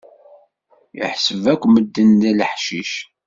Iḥseb akk medden d leḥcic.